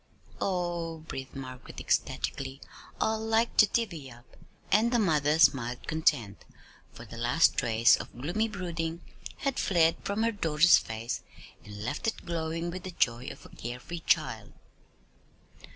"Oh!" breathed Margaret, ecstatically. "I like to divvy up!" And the mother smiled content, for the last trace of gloomy brooding had fled from her daughter's face, and left it glowing with the joy of a care free child.